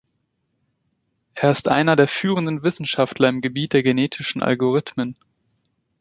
Er ist einer der führenden Wissenschaftler im Gebiet der Genetischen Algorithmen.